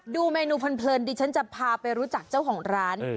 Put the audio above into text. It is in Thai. ดูเมนูเพลินดิฉันจะพาไปรู้จักเจ้าของร้าน